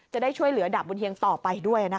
จะได้ช่วยเหลือดาบบุญเฮียงต่อไปด้วยนะคะ